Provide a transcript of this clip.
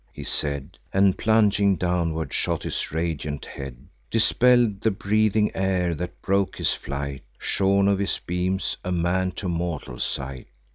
He said, And plunging downward shot his radiant head; Dispell'd the breathing air, that broke his flight: Shorn of his beams, a man to mortal sight.